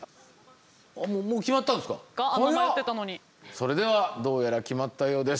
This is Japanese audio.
それではどうやら決まったようです。